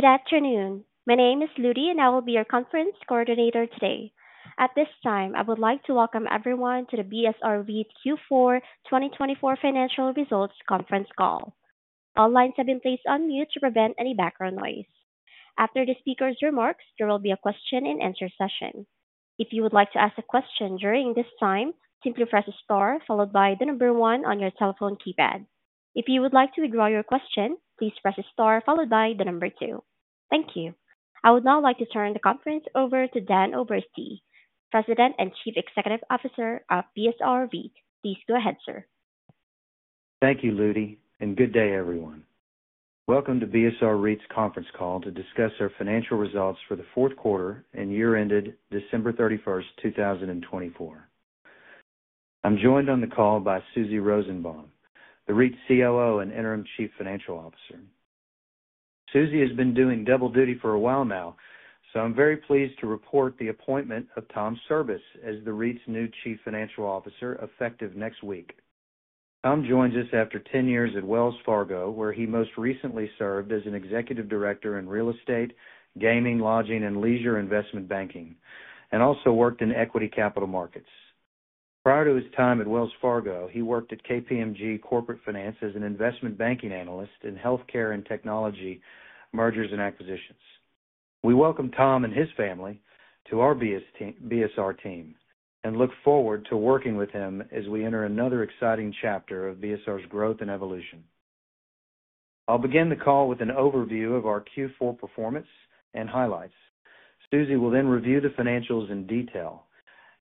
Good afternoon. My name is Ludy, and I will be your conference coordinator today. At this time, I would like to welcome everyone to the BSR REIT Q4 2024 financial results conference call. All lines have been placed on mute to prevent any background noise. After the speaker's remarks, there will be a question and answer session. If you would like to ask a question during this time, simply press a star followed by the number one on your telephone keypad. If you would like to withdraw your question, please press a star followed by the number two. Thank you. I would now like to turn the conference over to Dan Oberste, President and Chief Executive Officer of BSR REIT. Please go ahead, sir. Thank you, Ludi, and good day, everyone. Welcome to BSR REIT's conference call to discuss our financial results for the fourth quarter and year-ended December 31st, 2024. I'm joined on the call by Susie Rosenbaum, the REIT COO and Interim Chief Financial Officer. Susie has been doing double duty for a while now, so I'm very pleased to report the appointment of Tom Cirbus as the REIT's new Chief Financial Officer effective next week. Tom joins us after 10 years at Wells Fargo, where he most recently served as an Executive Director in Real Estate, Gaming, Lodging, and Leisure Investment Banking, and also worked in equity capital markets. Prior to his time at Wells Fargo, he worked at KPMG Corporate Finance as an Investment Banking Analyst in healthcare and technology mergers and acquisitions. We welcome Tom and his family to our BSR team and look forward to working with him as we enter another exciting chapter of BSR's growth and evolution. I'll begin the call with an overview of our Q4 performance and highlights. Susie will then review the financials in detail,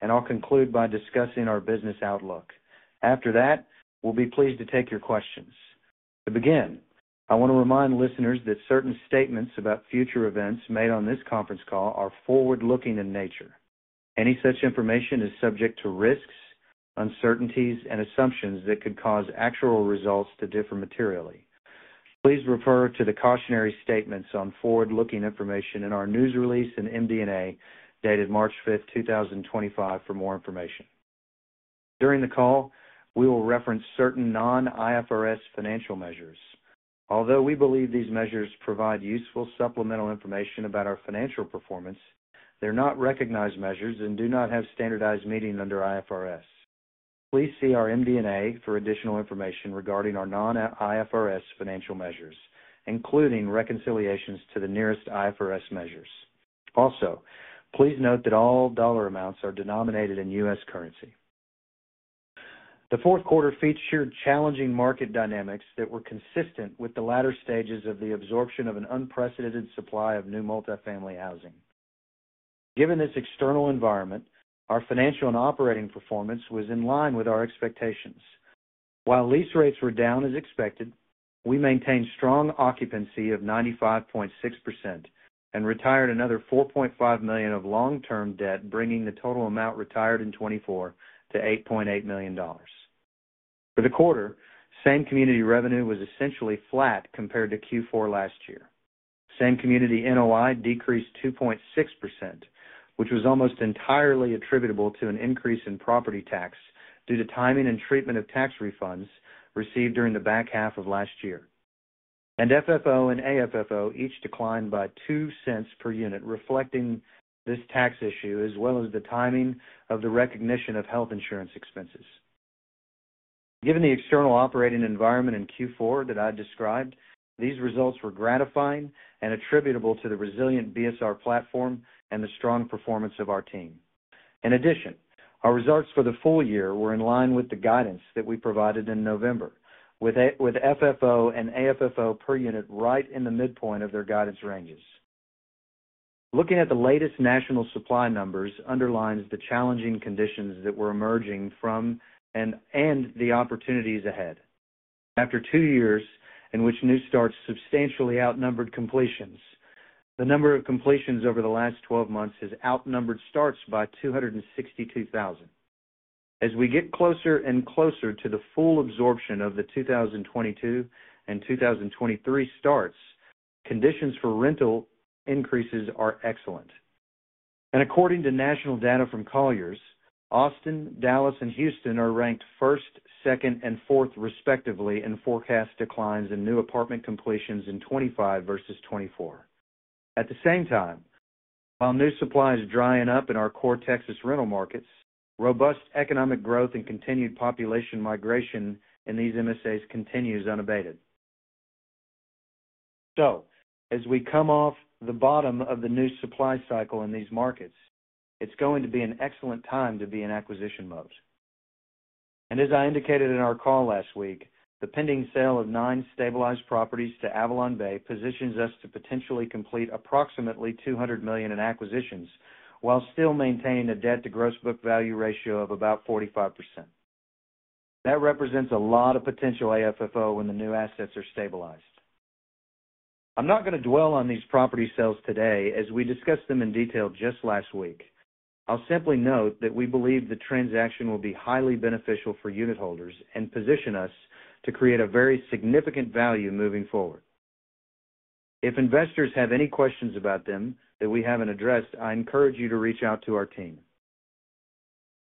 and I'll conclude by discussing our business outlook. After that, we'll be pleased to take your questions. To begin, I want to remind listeners that certain statements about future events made on this conference call are forward-looking in nature. Any such information is subject to risks, uncertainties, and assumptions that could cause actual results to differ materially. Please refer to the cautionary statements on forward-looking information in our news release and MD&A dated March 5th, 2025, for more information. During the call, we will reference certain non-IFRS financial measures. Although we believe these measures provide useful supplemental information about our financial performance, they're not recognized measures and do not have standardized meaning under IFRS. Please see our MD&A for additional information regarding our non-IFRS financial measures, including reconciliations to the nearest IFRS measures. Also, please note that all dollar amounts are denominated in U.S. currency. The fourth quarter featured challenging market dynamics that were consistent with the latter stages of the absorption of an unprecedented supply of new multifamily housing. Given this external environment, our financial and operating performance was in line with our expectations. While lease rates were down as expected, we maintained strong occupancy of 95.6% and retired another $4.5 million of long-term debt, bringing the total amount retired in 2024 to $8.8 million. For the quarter, same community revenue was essentially flat compared to Q4 last year. Same community NOI decreased 2.6%, which was almost entirely attributable to an increase in property tax due to timing and treatment of tax refunds received during the back half of last year. FFO and AFFO each declined by $0.02 per unit, reflecting this tax issue as well as the timing of the recognition of health insurance expenses. Given the external operating environment in Q4 that I described, these results were gratifying and attributable to the resilient BSR platform and the strong performance of our team. In addition, our results for the full year were in line with the guidance that we provided in November, with FFO and AFFO per unit right in the midpoint of their guidance ranges. Looking at the latest national supply numbers underlines the challenging conditions that were emerging from and the opportunities ahead. After two years in which new starts substantially outnumbered completions, the number of completions over the last 12 months has outnumbered starts by 262,000. As we get closer and closer to the full absorption of the 2022 and 2023 starts, conditions for rental increases are excellent. According to national data from Colliers, Austin, Dallas, and Houston are ranked first, second, and fourth respectively in forecast declines in new apartment completions in 2025 versus 2024. At the same time, while new supply is drying up in our core Texas rental markets, robust economic growth and continued population migration in these MSAs continues unabated. As we come off the bottom of the new supply cycle in these markets, it's going to be an excellent time to be in acquisition mode. As I indicated in our call last week, the pending sale of nine stabilized properties to AvalonBay positions us to potentially complete approximately $200 million in acquisitions while still maintaining a debt-to-gross book value ratio of about 45%. That represents a lot of potential AFFO when the new assets are stabilized. I'm not going to dwell on these property sales today as we discussed them in detail just last week. I'll simply note that we believe the transaction will be highly beneficial for unit holders and position us to create a very significant value moving forward. If investors have any questions about them that we haven't addressed, I encourage you to reach out to our team.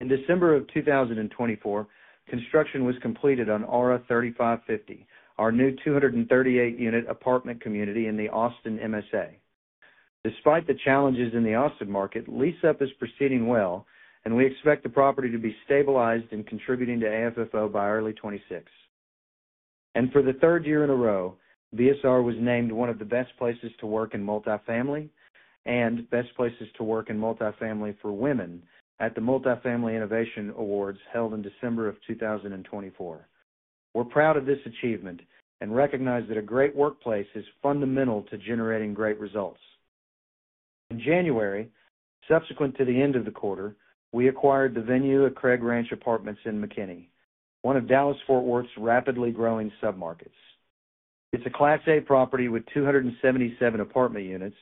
In December of 2024, construction was completed on Aura 35Fifty, our new 238-unit apartment community in the Austin MSA. Despite the challenges in the Austin market, lease-up is proceeding well, and we expect the property to be stabilized and contributing to AFFO by early 2026. For the third year in a row, BSR was named one of the best places to work in multifamily and best places to work in multifamily for women at the Multifamily Innovation Awards held in December of 2024. We are proud of this achievement and recognize that a great workplace is fundamental to generating great results. In January, subsequent to the end of the quarter, we acquired the Venue Craig Ranch apartments in McKinney, one of Dallas-Fort Worth's rapidly growing submarkets. It is a Class A property with 277 apartment units,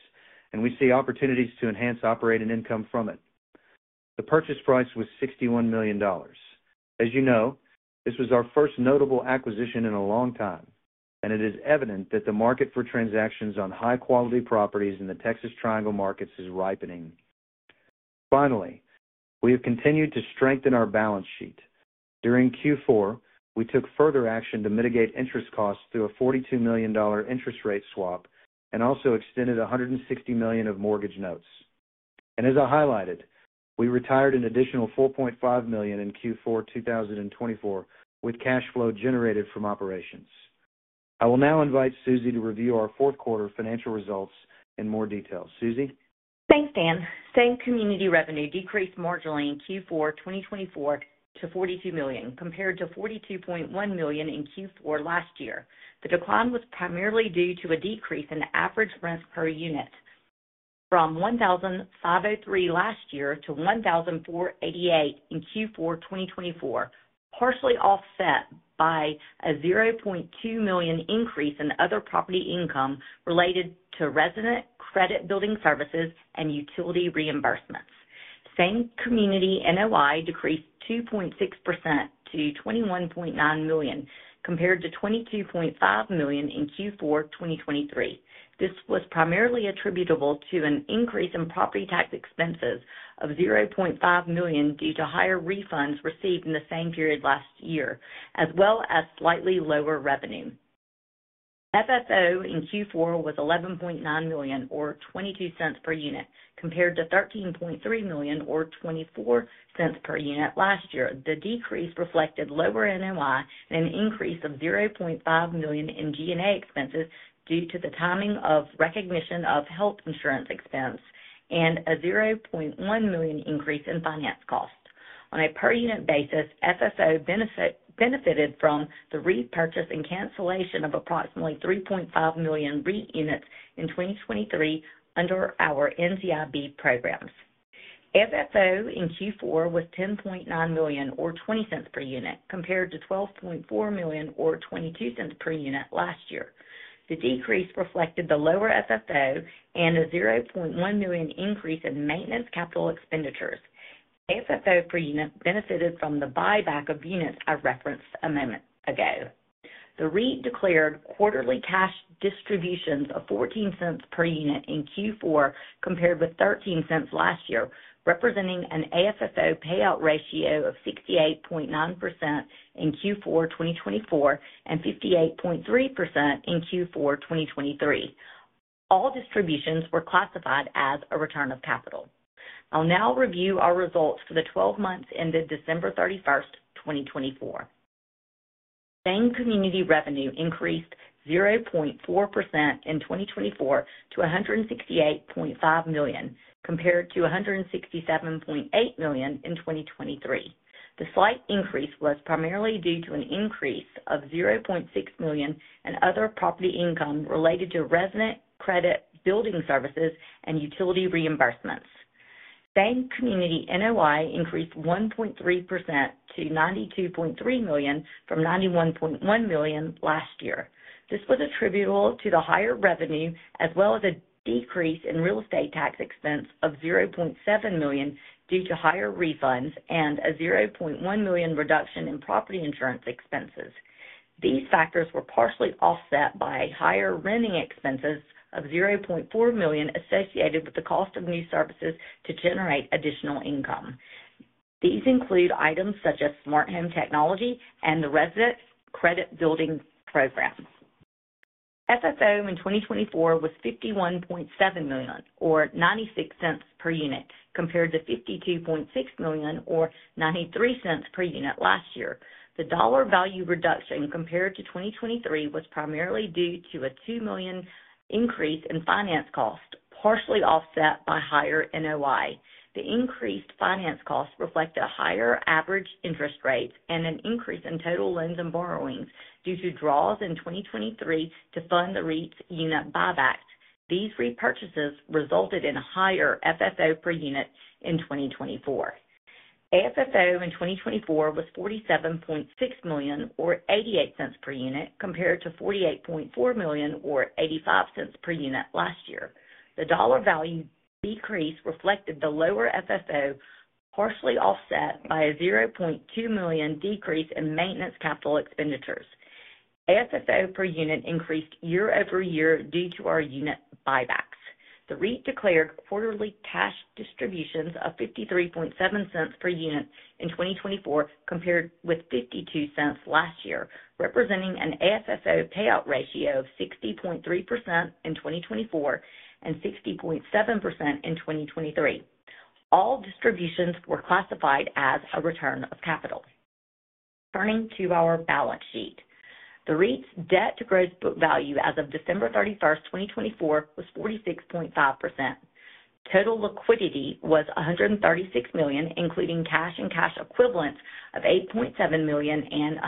and we see opportunities to enhance operating income from it. The purchase price was $61 million. As you know, this was our first notable acquisition in a long time, and it is evident that the market for transactions on high-quality properties in the Texas Triangle markets is ripening. Finally, we have continued to strengthen our balance sheet. During Q4, we took further action to mitigate interest costs through a $42 million interest rate swap and also extended $160 million of mortgage notes. As I highlighted, we retired an additional $4.5 million in Q4 2024 with cash flow generated from operations. I will now invite Susie to review our fourth quarter financial results in more detail. Susie? Thanks, Dan. Same community revenue decreased marginally in Q4 2024 to $42 million, compared to $42.1 million in Q4 last year. The decline was primarily due to a decrease in average rent per unit from $1,503 last year to $1,488 in Q4 2024, partially offset by a $0.2 million increase in other property income related to resident credit-building services and utility reimbursements. Same community NOI decreased 2.6% to $21.9 million, compared to $22.5 million in Q4 2023. This was primarily attributable to an increase in property tax expenses of $0.5 million due to higher refunds received in the same period last year, as well as slightly lower revenue. FFO in Q4 was $11.9 million, or $0.22 per unit, compared to $13.3 million, or $0.24 per unit last year. The decrease reflected lower NOI and an increase of $0.5 million in G&A expenses due to the timing of recognition of health insurance expense, and a $0.1 million increase in finance costs. On a per-unit basis, FFO benefited from the repurchase and cancellation of approximately $3.5 million REIT units in 2023 under our NZIB programs. FFO in Q4 was $10.9 million, or $0.20 per unit, compared to $12.4 million, or $0.22 per unit last year. The decrease reflected the lower FFO and a $0.1 million increase in maintenance capital expenditures. FFO per unit benefited from the buyback of units I referenced a moment ago. The REIT declared quarterly cash distributions of $0.14 per unit in Q4, compared with $0.13 last year, representing an AFFO payout ratio of 68.9% in Q4 2024 and 58.3% in Q4 2023. All distributions were classified as a return of capital. I'll now review our results for the 12 months ended December 31st, 2024. Same community revenue increased 0.4% in 2024 to $168.5 million, compared to $167.8 million in 2023. The slight increase was primarily due to an increase of $0.6 million in other property income related to resident credit-building services and utility reimbursements. Same community NOI increased 1.3% to $92.3 million from $91.1 million last year. This was attributable to the higher revenue, as well as a decrease in real estate tax expense of $0.7 million due to higher refunds and a $0.1 million reduction in property insurance expenses. These factors were partially offset by higher renting expenses of $0.4 million associated with the cost of new services to generate additional income. These include items such as smart home technology and the resident credit-building program. FFO in 2024 was $51.7 million, or $0.96 per unit, compared to $52.6 million, or $0.93 per unit last year. The dollar value reduction compared to 2023 was primarily due to a $2 million increase in finance cost, partially offset by higher NOI. The increased finance costs reflected higher average interest rates and an increase in total loans and borrowings due to draws in 2023 to fund the REIT's unit buybacks. These repurchases resulted in higher FFO per unit in 2024. AFFO in 2024 was $47.6 million, or $0.88 per unit, compared to $48.4 million, or $0.85 per unit last year. The dollar value decrease reflected the lower FFO, partially offset by a $0.2 million decrease in maintenance capital expenditures. AFFO per unit increased year-over-year due to our unit buybacks. The REIT declared quarterly cash distributions of $0.537 per unit in 2024, compared with $0.52 last year, representing an AFFO payout ratio of 60.3% in 2024 and 60.7% in 2023. All distributions were classified as a return of capital. Turning to our balance sheet, the REIT's debt-to-gross book value as of December 31st, 2024, was 46.5%. Total liquidity was $136 million, including cash and cash equivalents of $8.7 million and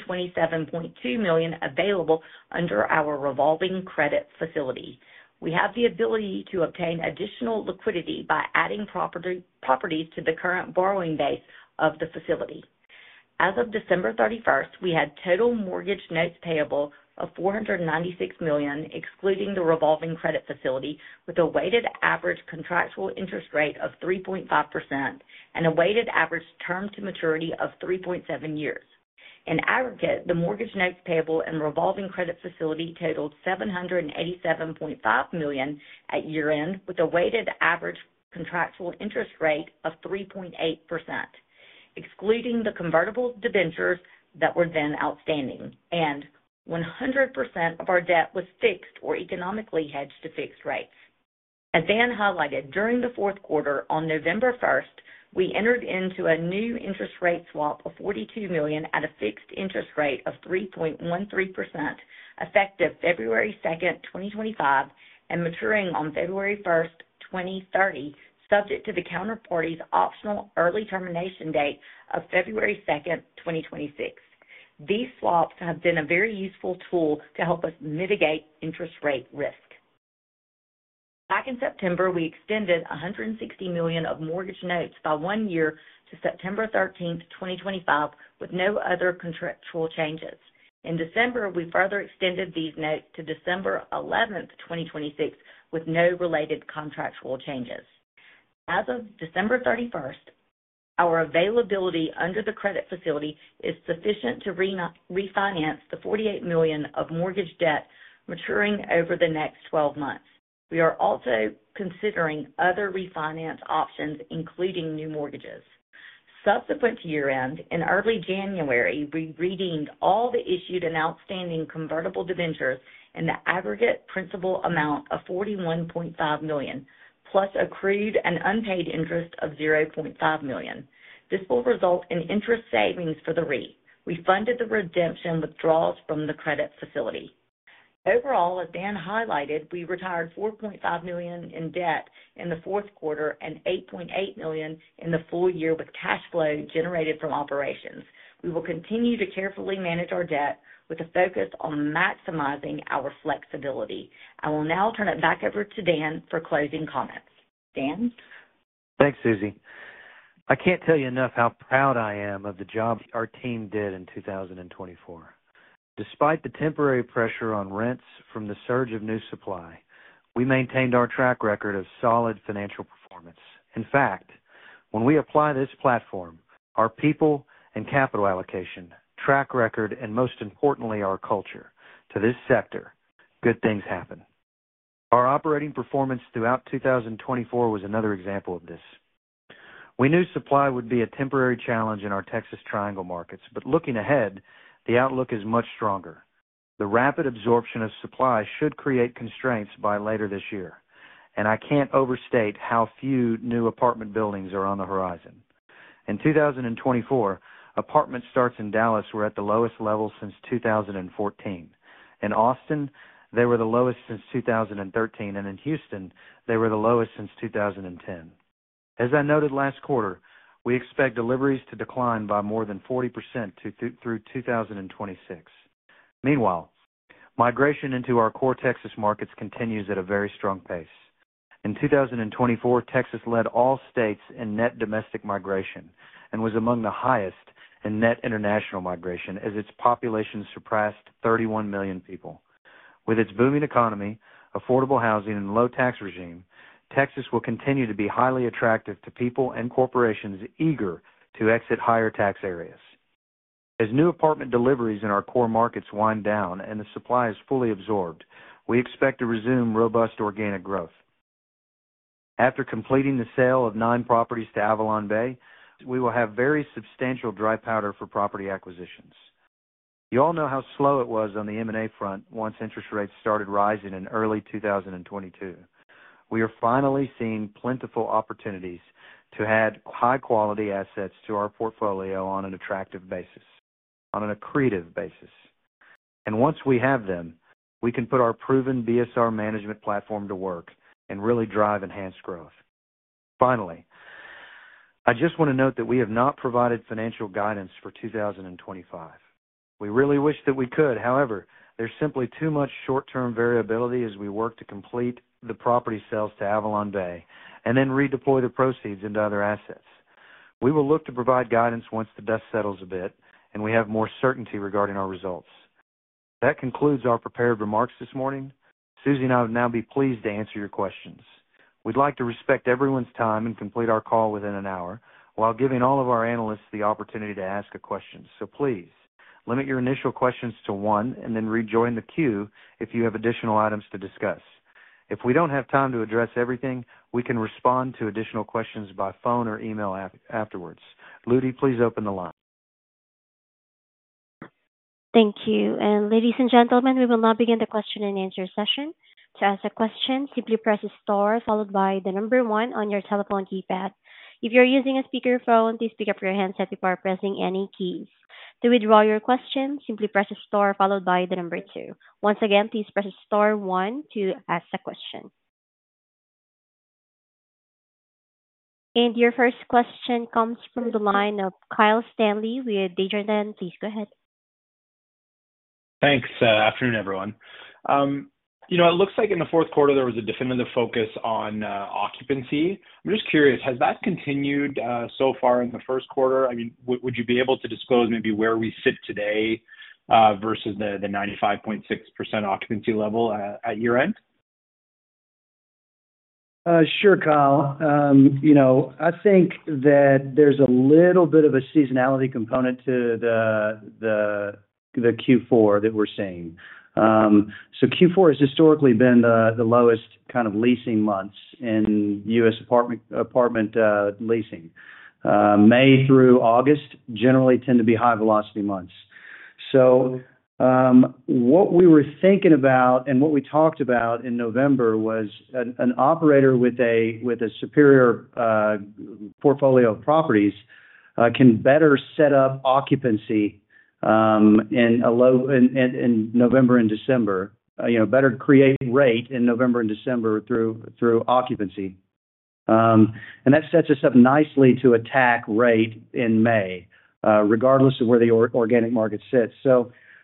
$127.2 million available under our revolving credit facility. We have the ability to obtain additional liquidity by adding properties to the current borrowing base of the facility. As of December 31st, we had total mortgage notes payable of $496 million, excluding the revolving credit facility, with a weighted average contractual interest rate of 3.5% and a weighted average term to maturity of 3.7 years. In aggregate, the mortgage notes payable and revolving credit facility totaled $787.5 million at year-end, with a weighted average contractual interest rate of 3.8%, excluding the convertible debentures that were then outstanding. One hundred percent of our debt was fixed or economically hedged to fixed rates. As Dan highlighted, during the fourth quarter, on November 1st, we entered into a new interest rate swap of $42 million at a fixed interest rate of 3.13%, effective February 2nd, 2025, and maturing on February 1st, 2030, subject to the counterparty's optional early termination date of February 2nd, 2026. These swaps have been a very useful tool to help us mitigate interest rate risk. Back in September, we extended $160 million of mortgage notes by one year to September 13, 2025, with no other contractual changes. In December, we further extended these notes to December 11th, 2026, with no related contractual changes. As of December 31st, our availability under the credit facility is sufficient to refinance the $48 million of mortgage debt maturing over the next 12 months. We are also considering other refinance options, including new mortgages. Subsequent to year-end, in early January, we redeemed all the issued and outstanding convertible debentures in the aggregate principal amount of $41.5 million, plus accrued and unpaid interest of $0.5 million. This will result in interest savings for the REIT. We funded the redemption withdrawals from the credit facility. Overall, as Dan highlighted, we retired $4.5 million in debt in the fourth quarter and $8.8 million in the full year with cash flow generated from operations. We will continue to carefully manage our debt with a focus on maximizing our flexibility. I will now turn it back over to Dan for closing comments. Dan? Thanks, Susie. I can't tell you enough how proud I am of the job our team did in 2024. Despite the temporary pressure on rents from the surge of new supply, we maintained our track record of solid financial performance. In fact, when we apply this platform, our people and capital allocation, track record, and most importantly, our culture to this sector, good things happen. Our operating performance throughout 2024 was another example of this. We knew supply would be a temporary challenge in our Texas Triangle markets, but looking ahead, the outlook is much stronger. The rapid absorption of supply should create constraints by later this year, and I can't overstate how few new apartment buildings are on the horizon. In 2024, apartment starts in Dallas were at the lowest level since 2014. In Austin, they were the lowest since 2013, and in Houston, they were the lowest since 2010. As I noted last quarter, we expect deliveries to decline by more than 40% through 2026. Meanwhile, migration into our core Texas markets continues at a very strong pace. In 2024, Texas led all states in net domestic migration and was among the highest in net international migration as its population surpassed 31 million people. With its booming economy, affordable housing, and low tax regime, Texas will continue to be highly attractive to people and corporations eager to exit higher tax areas. As new apartment deliveries in our core markets wind down and the supply is fully absorbed, we expect to resume robust organic growth. After completing the sale of nine properties to AvalonBay, we will have very substantial dry powder for property acquisitions. You all know how slow it was on the M&A front once interest rates started rising in early 2022. We are finally seeing plentiful opportunities to add high-quality assets to our portfolio on an attractive basis, on an accretive basis. Once we have them, we can put our proven BSR management platform to work and really drive enhanced growth. Finally, I just want to note that we have not provided financial guidance for 2025. We really wish that we could. However, there is simply too much short-term variability as we work to complete the property sales to AvalonBay and then redeploy the proceeds into other assets. We will look to provide guidance once the dust settles a bit and we have more certainty regarding our results. That concludes our prepared remarks this morning. Susie and I would now be pleased to answer your questions. We'd like to respect everyone's time and complete our call within an hour while giving all of our analysts the opportunity to ask a question. Please, limit your initial questions to one and then rejoin the queue if you have additional items to discuss. If we do not have time to address everything, we can respond to additional questions by phone or email afterwards. Ludi, please open the line. Thank you. Ladies and gentlemen, we will now begin the question and answer session. To ask a question, simply press star followed by the number one on your telephone keypad. If you are using a speakerphone, please pick up your handset before pressing any keys. To withdraw your question, simply press star followed by the number two. Once again, please press star one to ask a question. Your first question comes from the line of Kyle Stanley with Desjardins. Please go ahead. Thanks. Afternoon, everyone. You know, it looks like in the fourth quarter, there was a definitive focus on occupancy. I'm just curious, has that continued so far in the first quarter? I mean, would you be able to disclose maybe where we sit today versus the 95.6% occupancy level at year-end? Sure, Kyle. You know, I think that there's a little bit of a seasonality component to the Q4 that we're seeing. Q4 has historically been the lowest kind of leasing months in U.S. apartment leasing. May through August generally tend to be high-velocity months. What we were thinking about and what we talked about in November was an operator with a superior portfolio of properties can better set up occupancy in November and December, you know, better create rate in November and December through occupancy. That sets us up nicely to attack rate in May, regardless of where the organic market sits.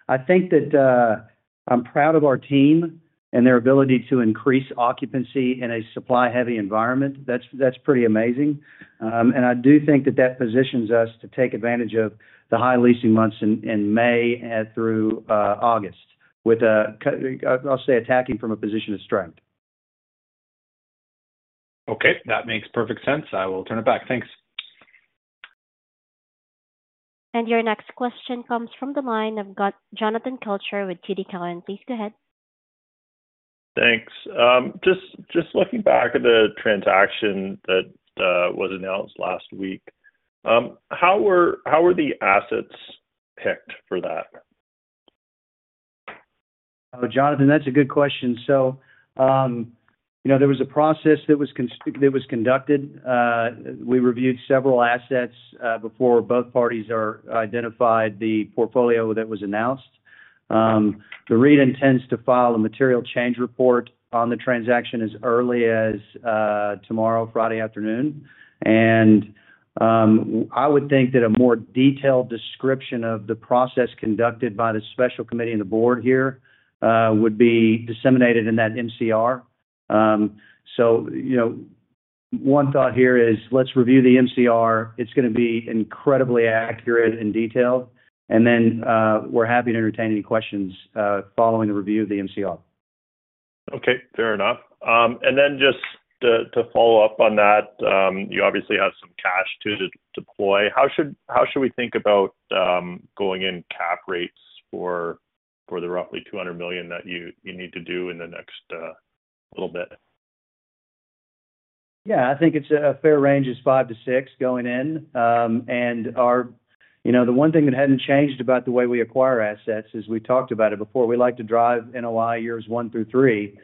I think that I'm proud of our team and their ability to increase occupancy in a supply-heavy environment. That's pretty amazing. I do think that that positions us to take advantage of the high leasing months in May through August, with, I'll say, attacking from a position of strength. Okay. That makes perfect sense. I will turn it back. Thanks. Your next question comes from the line of Jonathan Kelcher with TD Cowen. Please go ahead. Thanks. Just looking back at the transaction that was announced last week, how were the assets picked for that? Oh, Jonathan, that's a good question. You know, there was a process that was conducted. We reviewed several assets before both parties identified the portfolio that was announced. The REIT intends to file a material change report on the transaction as early as tomorrow, Friday afternoon. I would think that a more detailed description of the process conducted by the special committee and the board here would be disseminated in that MCR. You know, one thought here is let's review the MCR. It's going to be incredibly accurate and detailed. We're happy to entertain any questions following the review of the MCR. Okay. Fair enough. Just to follow up on that, you obviously have some cash to deploy. How should we think about going in cap rates for the roughly $200 million that you need to do in the next little bit? Yeah. I think it's a fair range is five to six going in. And our, you know, the one thing that hadn't changed about the way we acquire assets is we talked about it before. We like to drive NOI years one through three.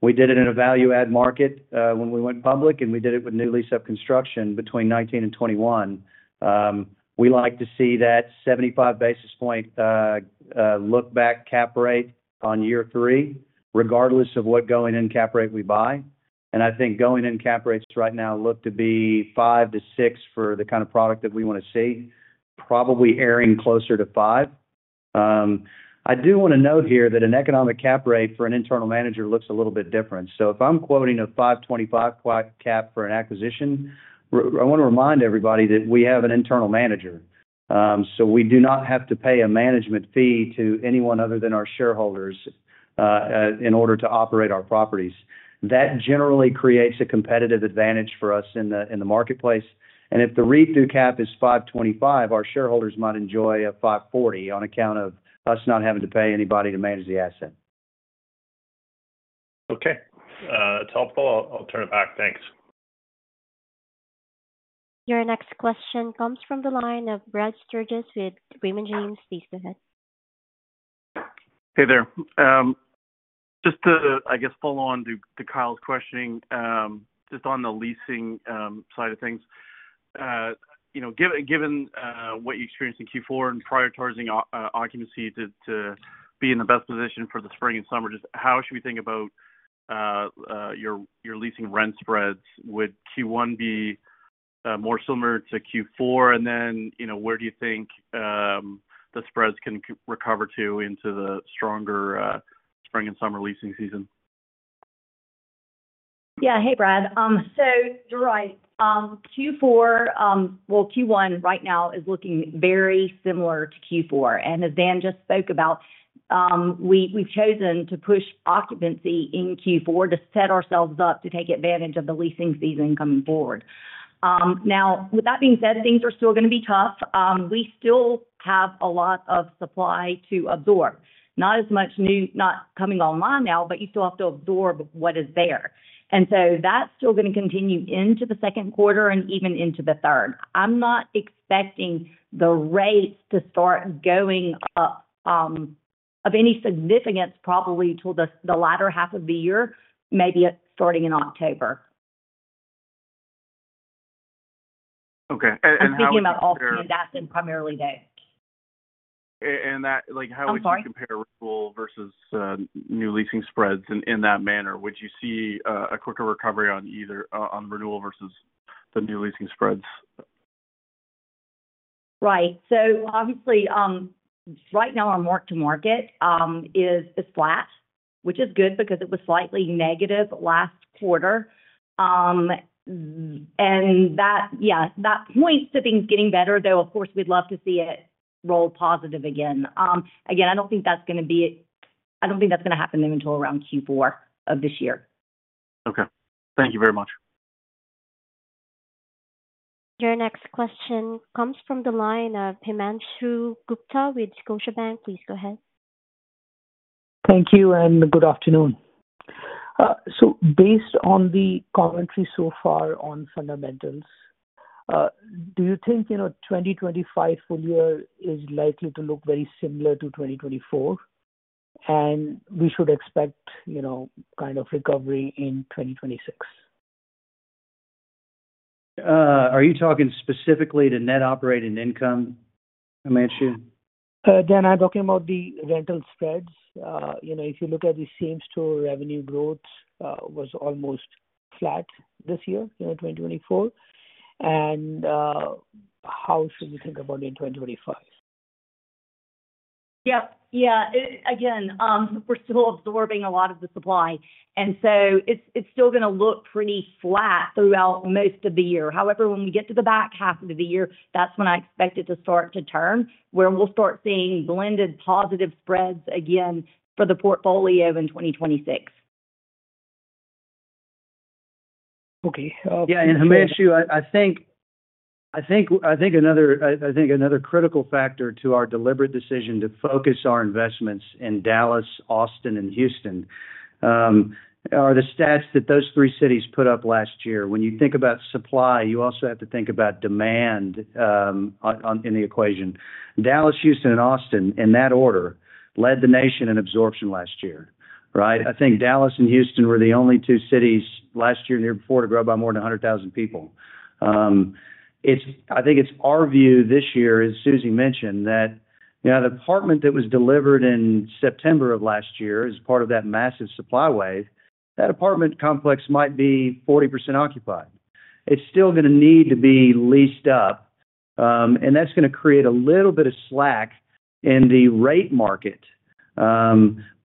We did it in a value-add market when we went public, and we did it with new lease-up construction between 2019 and 2021. We like to see that 75 basis point look-back cap rate on year three, regardless of what going-in cap rate we buy. And I think going-in cap rates right now look to be five to six for the kind of product that we want to see, probably airing closer to five. I do want to note here that an economic cap rate for an internal manager looks a little bit different. If I'm quoting a 5.25% cap for an acquisition, I want to remind everybody that we have an internal manager. We do not have to pay a management fee to anyone other than our shareholders in order to operate our properties. That generally creates a competitive advantage for us in the marketplace. If the REIT due cap is 5.25%, our shareholders might enjoy a 5.40% on account of us not having to pay anybody to manage the asset. Okay. That's helpful. I'll turn it back. Thanks. Your next question comes from the line of Brad Sturges with Raymond James. Please go ahead. Hey there. Just to, I guess, follow on to Kyle's questioning, just on the leasing side of things, you know, given what you experienced in Q4 and prioritizing occupancy to be in the best position for the spring and summer, just how should we think about your leasing rent spreads? Would Q1 be more similar to Q4? You know, where do you think the spreads can recover to into the stronger spring and summer leasing season? Yeah. Hey, Brad. Right, Q4, Q1 right now is looking very similar to Q4. As Dan just spoke about, we've chosen to push occupancy in Q4 to set ourselves up to take advantage of the leasing season coming forward. That being said, things are still going to be tough. We still have a lot of supply to absorb. Not as much new, not coming online now, but you still have to absorb what is there. That is still going to continue into the second quarter and even into the third. I'm not expecting the rates to start going up of any significance probably till the latter half of the year, maybe starting in October. Okay. How. I'm speaking about all transactions, primarily today. How would you compare renewal versus new leasing spreads in that manner? Would you see a quicker recovery on either on renewal versus the new leasing spreads? Right. Obviously, right now, our mark-to-market is flat, which is good because it was slightly negative last quarter. That points to things getting better, though, of course, we'd love to see it roll positive again. Again, I don't think that's going to be—I don't think that's going to happen until around Q4 of this year. Okay. Thank you very much. Your next question comes from the line of Himanshu Gupta with Scotiabank. Please go ahead. Thank you and good afternoon. Based on the commentary so far on fundamentals, do you think, you know, 2025 full year is likely to look very similar to 2024? We should expect, you know, kind of recovery in 2026. Are you talking specifically to net operating income, Himanshu? Dan, I'm talking about the rental spreads. You know, if you look at the same store revenue growth, it was almost flat this year, you know, 2024. And how should we think about it in 2025? Yeah. Yeah. Again, we're still absorbing a lot of the supply. It's still going to look pretty flat throughout most of the year. However, when we get to the back half of the year, that's when I expect it to start to turn where we'll start seeing blended positive spreads again for the portfolio in 2026. Okay. Yeah. Himanshu, I think another critical factor to our deliberate decision to focus our investments in Dallas, Austin, and Houston are the stats that those three cities put up last year. When you think about supply, you also have to think about demand in the equation. Dallas, Houston, and Austin, in that order, led the nation in absorption last year, right? I think Dallas and Houston were the only two cities last year and year before to grow by more than 100,000 people. I think it's our view this year, as Susie mentioned, that, you know, the apartment that was delivered in September of last year as part of that massive supply wave, that apartment complex might be 40% occupied. It's still going to need to be leased up. That's going to create a little bit of slack in the rate market.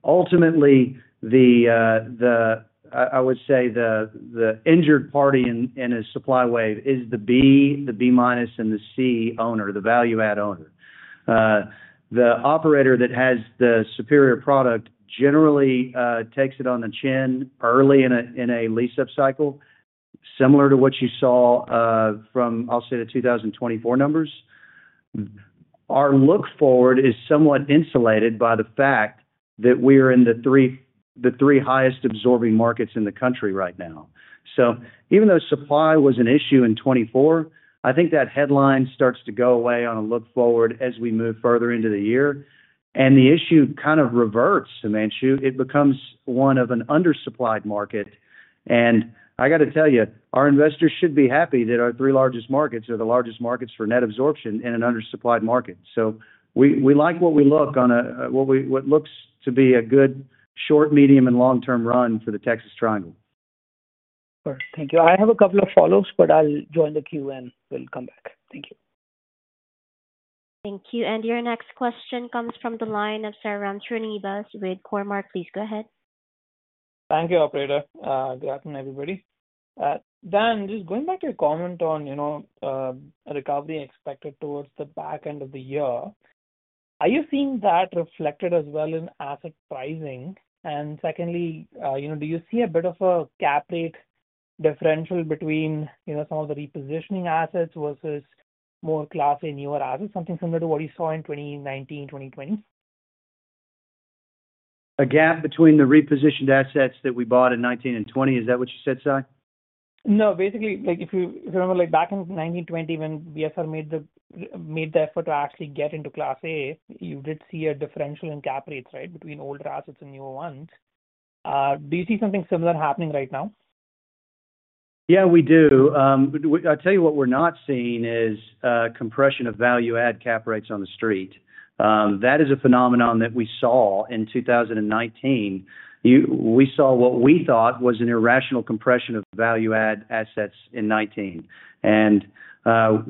Ultimately, I would say the injured party in a supply wave is the B, the B minus, and the C owner, the value-add owner. The operator that has the superior product generally takes it on the chin early in a lease-up cycle, similar to what you saw from, I'll say, the 2024 numbers. Our look forward is somewhat insulated by the fact that we are in the three highest absorbing markets in the country right now. Even though supply was an issue in 2024, I think that headline starts to go away on a look forward as we move further into the year. The issue kind of reverts, Himanshu. It becomes one of an undersupplied market. I got to tell you, our investors should be happy that our three largest markets are the largest markets for net absorption in an undersupplied market. We like what we look on a—what looks to be a good short, medium, and long-term run for the Texas Triangle. Perfect. Thank you. I have a couple of follow-ups, but I'll join the queue and we'll come back. Thank you. Thank you. Your next question comes from the line of Sairam Srinivas with Cormark. Please go ahead. Thank you, Operator. Good afternoon, everybody. Dan, just going back to your comment on, you know, recovery expected towards the back end of the year, are you seeing that reflected as well in asset pricing? And secondly, you know, do you see a bit of a cap rate differential between, you know, some of the repositioning assets versus more Class A, newer assets, something similar to what you saw in 2019, 2020? A gap between the repositioned assets that we bought in 2019 and 2020, is that what you said, Sai? No. Basically, like, if you remember, like, back in 2019, 2020 when BSR made the effort to actually get into Class A, you did see a differential in cap rates, right, between older assets and newer ones. Do you see something similar happening right now? Yeah, we do. I'll tell you what we're not seeing is compression of value-add cap rates on the street. That is a phenomenon that we saw in 2019. We saw what we thought was an irrational compression of value-add assets in 2019.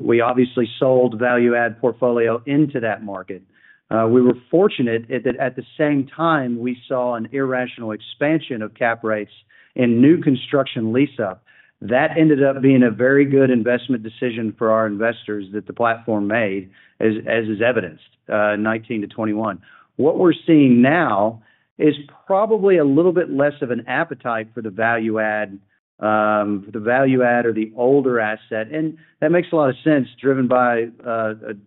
We obviously sold value-add portfolio into that market. We were fortunate that at the same time, we saw an irrational expansion of cap rates in new construction lease-up. That ended up being a very good investment decision for our investors that the platform made, as is evidenced in 2019 to 2021. What we're seeing now is probably a little bit less of an appetite for the value-add, the value-add or the older asset. That makes a lot of sense, driven by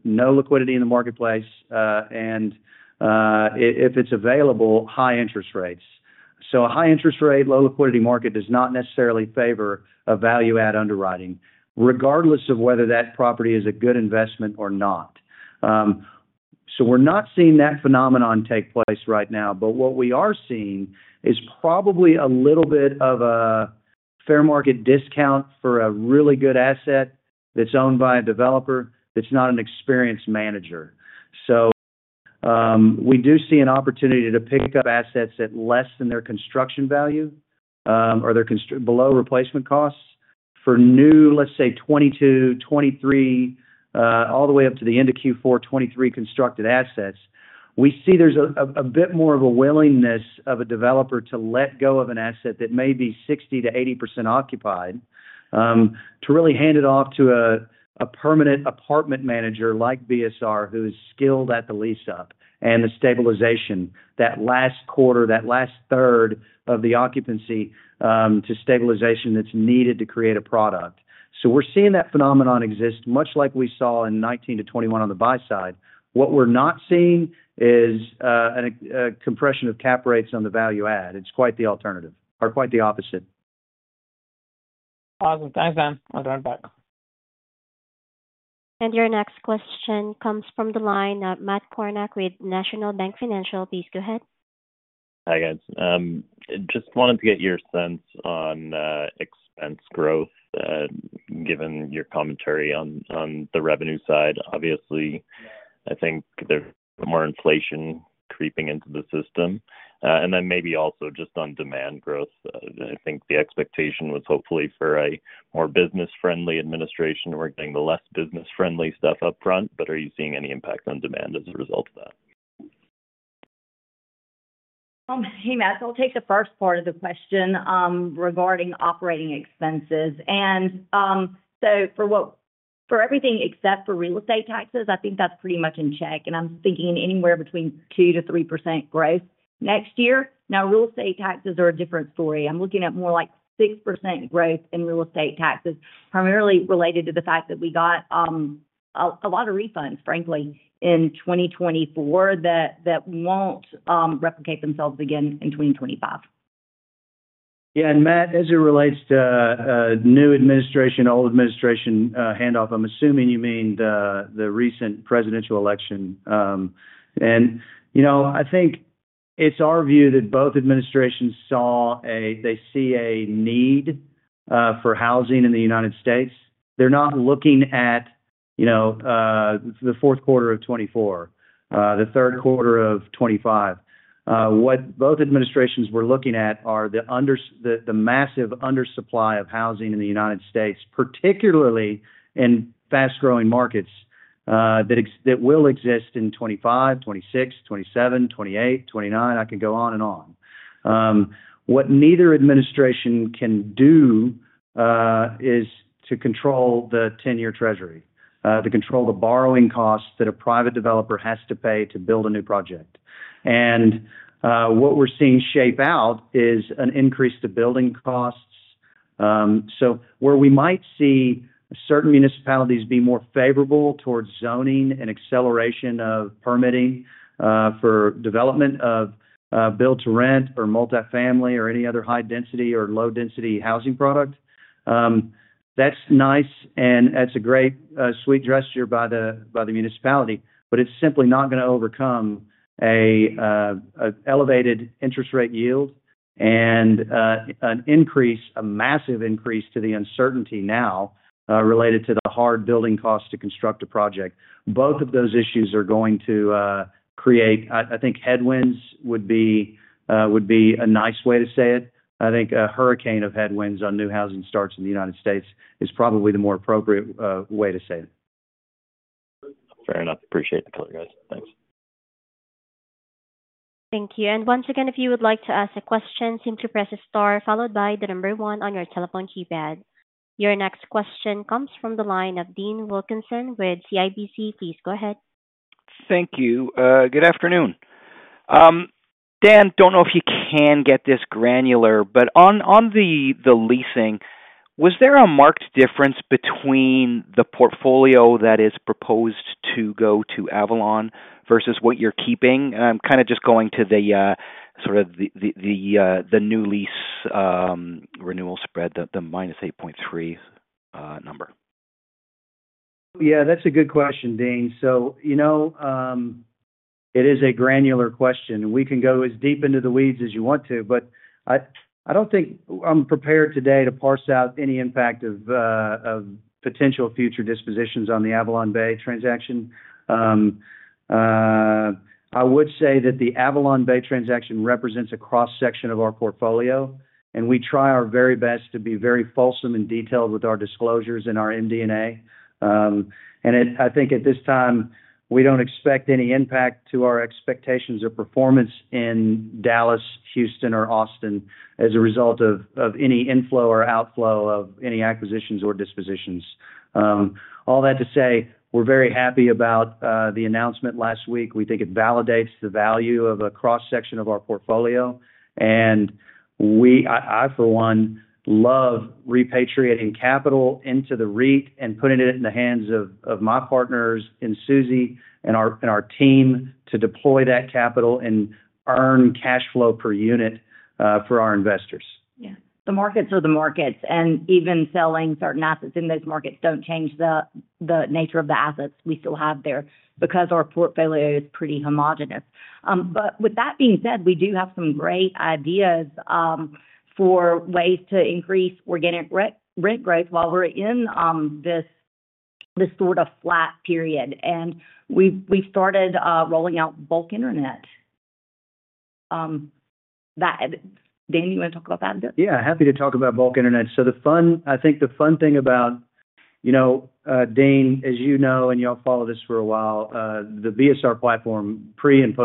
no liquidity in the marketplace and, if it's available, high interest rates. A high interest rate, low liquidity market does not necessarily favor a value-add underwriting, regardless of whether that property is a good investment or not. We are not seeing that phenomenon take place right now. What we are seeing is probably a little bit of a fair market discount for a really good asset that is owned by a developer that is not an experienced manager. We do see an opportunity to pick up assets at less than their construction value or their below replacement costs for new, let's say, 2022, 2023, all the way up to the end of Q4 2023 constructed assets. We see there's a bit more of a willingness of a developer to let go of an asset that may be 60%-80% occupied to really hand it off to a permanent apartment manager like BSR, who is skilled at the lease-up and the stabilization, that last quarter, that last third of the occupancy to stabilization that's needed to create a product. We are seeing that phenomenon exist, much like we saw in 2019 to 2021 on the buy side. What we are not seeing is a compression of cap rates on the value-add. It's quite the alternative or quite the opposite. Awesome. Thanks, Dan. I'll turn it back. Your next question comes from the line of Matt Kornack with National Bank Financial. Please go ahead. Hi, guys. Just wanted to get your sense on expense growth, given your commentary on the revenue side. Obviously, I think there's more inflation creeping into the system. Maybe also just on demand growth. I think the expectation was hopefully for a more business-friendly administration. We're getting the less business-friendly stuff upfront. Are you seeing any impact on demand as a result of that? Hey, Matt. I'll take the first part of the question regarding operating expenses. For everything except for real estate taxes, I think that's pretty much in check. I'm thinking anywhere between 2%-3% growth next year. Now, real estate taxes are a different story. I'm looking at more like 6% growth in real estate taxes, primarily related to the fact that we got a lot of refunds, frankly, in 2024 that won't replicate themselves again in 2025. Yeah. Matt, as it relates to new administration, old administration handoff, I'm assuming you mean the recent presidential election. You know, I think it's our view that both administrations saw a—they see a need for housing in the United States. They're not looking at, you know, the fourth quarter of 2024, the third quarter of 2025. What both administrations were looking at are the massive undersupply of housing in the United States, particularly in fast-growing markets that will exist in 2025, 2026, 2027, 2028, 2029. I could go on and on. What neither administration can do is to control the 10-year Treasury, to control the borrowing costs that a private developer has to pay to build a new project. What we're seeing shape out is an increase to building costs. Where we might see certain municipalities be more favorable towards zoning and acceleration of permitting for development of build-to-rent or multifamily or any other high-density or low-density housing product, that's nice and that's a great sweet gesture by the municipality. It is simply not going to overcome an elevated interest rate yield and an increase, a massive increase to the uncertainty now related to the hard building costs to construct a project. Both of those issues are going to create, I think, headwinds would be a nice way to say it. I think a hurricane of headwinds on new housing starts in the United States is probably the more appropriate way to say it. Fair enough. Appreciate the clear cut. Thanks. Thank you. Once again, if you would like to ask a question, simply press star followed by the number one on your telephone keypad. Your next question comes from the line of Dean Wilkinson with CIBC. Please go ahead. Thank you. Good afternoon. Dan, don't know if you can get this granular, but on the leasing, was there a marked difference between the portfolio that is proposed to go to AvalonBay versus what you're keeping? I'm kind of just going to the sort of the new lease renewal spread, the minus 8.3 number. Yeah, that's a good question, Dean. You know, it is a granular question. We can go as deep into the weeds as you want to. I don't think I'm prepared today to parse out any impact of potential future dispositions on the AvalonBay transaction. I would say that the AvalonBay transaction represents a cross-section of our portfolio. We try our very best to be very fulsome and detailed with our disclosures and our MD&A. I think at this time, we don't expect any impact to our expectations of performance in Dallas, Houston, or Austin as a result of any inflow or outflow of any acquisitions or dispositions. All that to say, we're very happy about the announcement last week. We think it validates the value of a cross-section of our portfolio. I, for one, love repatriating capital into the REIT and putting it in the hands of my partners and Susie and our team to deploy that capital and earn cash flow per unit for our investors. Yeah. The markets are the markets. Even selling certain assets in those markets does not change the nature of the assets we still have there because our portfolio is pretty homogenous. With that being said, we do have some great ideas for ways to increase organic rent growth while we are in this sort of flat period. We have started rolling out bulk internet. Danny, you want to talk about that a bit? Yeah. Happy to talk about bulk internet. The fun, I think the fun thing about, you know, Dean, as you know, and you have followed this for a while, the BSR platform, pre and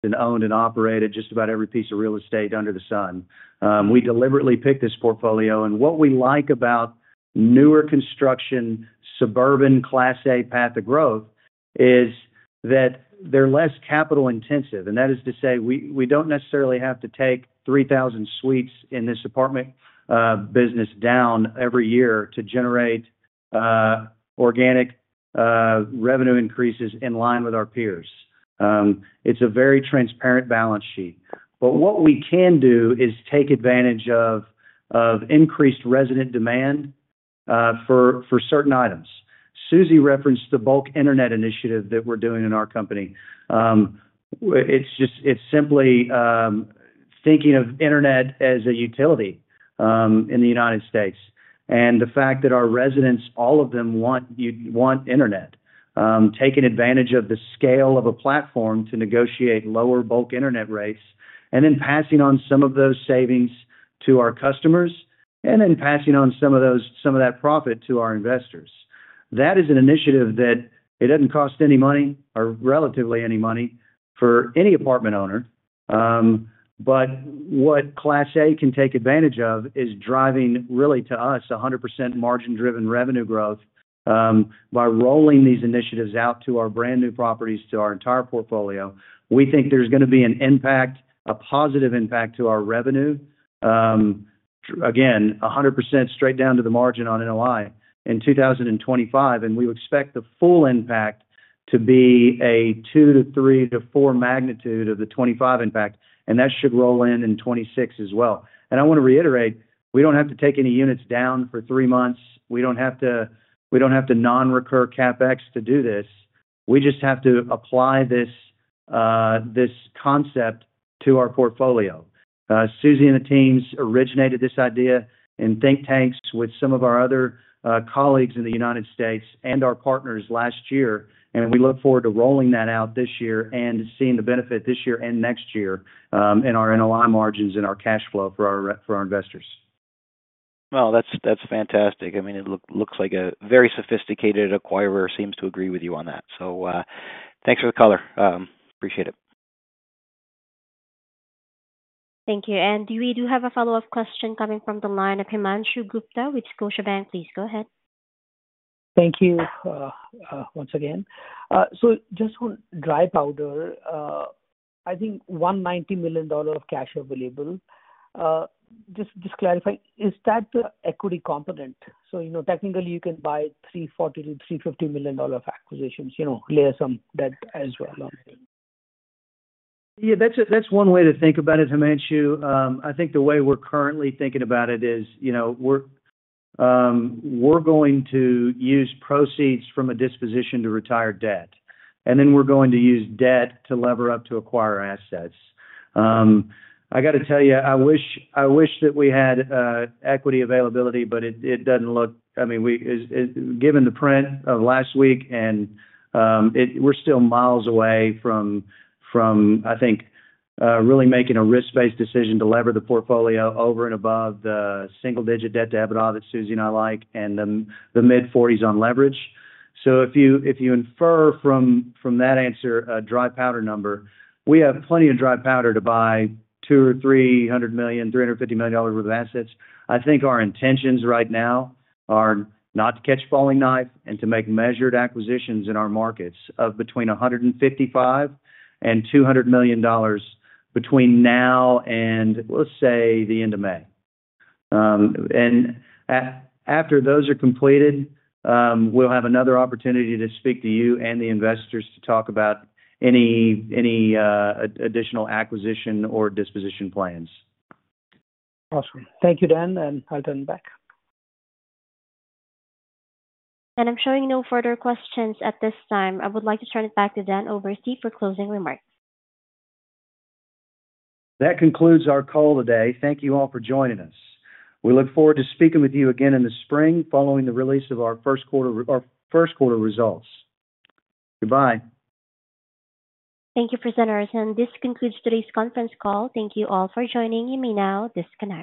post-public, has owned and operated just about every piece of real estate under the sun. We deliberately picked this portfolio. What we like about newer construction, suburban Class A path of growth is that they are less capital intensive. That is to say, we do not necessarily have to take 3,000 suites in this apartment business down every year to generate organic revenue increases in line with our peers. It is a very transparent balance sheet. What we can do is take advantage of increased resident demand for certain items. Susie referenced the bulk internet initiative that we are doing in our company. It's just, it's simply thinking of internet as a utility in the United States and the fact that our residents, all of them want internet, taking advantage of the scale of a platform to negotiate lower bulk internet rates, and then passing on some of those savings to our customers, and then passing on some of that profit to our investors. That is an initiative that it doesn't cost any money or relatively any money for any apartment owner. What Class A can take advantage of is driving, really, to us, 100% margin-driven revenue growth by rolling these initiatives out to our brand new properties, to our entire portfolio. We think there's going to be an impact, a positive impact to our revenue. Again, 100% straight down to the margin on NOI in 2025. We expect the full impact to be a 2-3-4 magnitude of the 2025 impact. That should roll in in 2026 as well. I want to reiterate, we do not have to take any units down for three months. We do not have to, we do not have to non-recur CapEx to do this. We just have to apply this concept to our portfolio. Susie and the teams originated this idea in think tanks with some of our other colleagues in the United States and our partners last year. We look forward to rolling that out this year and seeing the benefit this year and next year in our NOI margins and our cash flow for our investors. That's fantastic. I mean, it looks like a very sophisticated acquirer seems to agree with you on that. Thanks for the color. Appreciate it. Thank you. We do have a follow-up question coming from the line of Himanshu Gupta with Scotiabank. Please go ahead. Thank you once again. Just on dry powder, I think $190 million of cash available. Just clarifying, is that the equity component? You know, technically, you can buy $340-$350 million of acquisitions, you know, layer some debt as well. Yeah. That's one way to think about it, Himanshu. I think the way we're currently thinking about it is, you know, we're going to use proceeds from a disposition to retire debt. And then we're going to use debt to lever up to acquire assets. I got to tell you, I wish that we had equity availability, but it doesn't look, I mean, given the print of last week, and we're still miles away from, I think, really making a risk-based decision to lever the portfolio over and above the single-digit debt to EBITDA that Susie and I like and the mid-40s on leverage. If you infer from that answer a dry powder number, we have plenty of dry powder to buy $200 million or $300 million, $350 million worth of assets. I think our intentions right now are not to catch a falling knife and to make measured acquisitions in our markets of between $155 million and $200 million between now and, let's say, the end of May. After those are completed, we'll have another opportunity to speak to you and the investors to talk about any additional acquisition or disposition plans. Awesome. Thank you, Dan. I will turn it back. I'm showing no further questions at this time. I would like to turn it back to Dan Oberste for closing remarks. That concludes our call today. Thank you all for joining us. We look forward to speaking with you again in the spring following the release of our first quarter results. Goodbye. Thank you, presenters. This concludes today's conference call. Thank you all for joining. You may now disconnect.